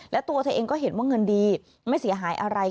และตัวเธอเองก็เห็นว่าเงินดีไม่เสียหายอะไร